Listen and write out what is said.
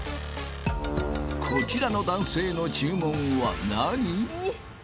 こちらの男性の注文は何？